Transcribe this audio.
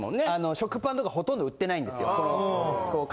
食パンとかほとんど売ってないんですよ。